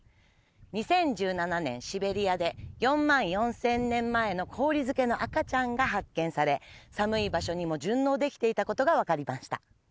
２０１７年シベリアで４万４０００年前の氷漬けの赤ちゃんが発見され寒い場所にも順応できていたことが分かりました